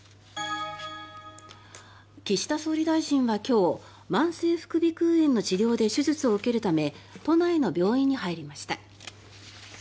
岸田総理大臣は今日慢性副鼻腔炎の治療で手術を受けるため都内の病院に入りました。